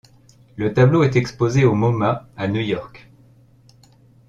Le tableau est exposé au MoMa à New-York.